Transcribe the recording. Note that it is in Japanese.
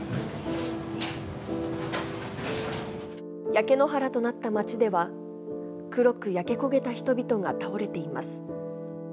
焼け野原となった街では、黒く焼け焦げた人々が倒れています。